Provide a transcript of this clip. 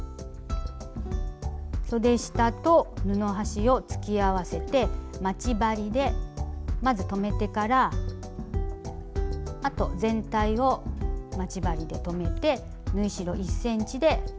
そで下と布端を突き合わせて待ち針でまず留めてからあと全体を待ち針で留めて縫い代１ｃｍで縫っていきます。